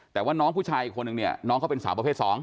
แต่ว่าน้องผู้ชายอีกคนนึงเนี่ยน้องเขาเป็นสาวประเภท๒